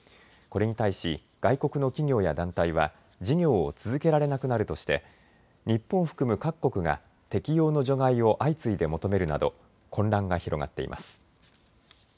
これに対し外国の企業や団体は事業を続けられなくなるとして日本を含む各国が適用の除外を相次いで求めるなど混乱が広がっています。